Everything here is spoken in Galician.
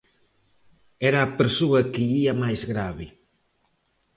Era a persoa que ía máis grave.